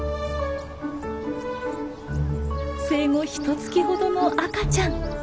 生後ひとつきほどの赤ちゃん。